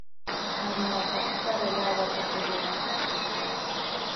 Mamaaqa sara lawatam ruraykan.